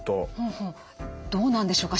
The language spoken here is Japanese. どうなんでしょうか？